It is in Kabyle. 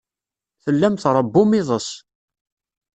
Tellam tṛewwum iḍes.